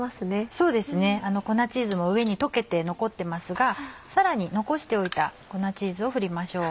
そうですね粉チーズも上に溶けて残ってますがさらに残しておいた粉チーズを振りましょう。